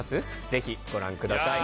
ぜひご覧ください